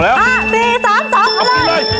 เอาแล้ว๔๓๓เอาเลย